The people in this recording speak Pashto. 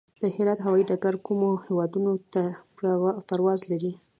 د هرات هوايي ډګر کومو هیوادونو ته پرواز لري؟